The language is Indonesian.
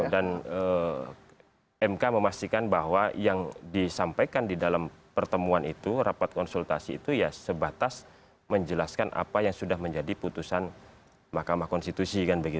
dan mk memastikan bahwa yang disampaikan di dalam pertemuan itu rapat konsultasi itu ya sebatas menjelaskan apa yang sudah menjadi putusan makamah konstitusi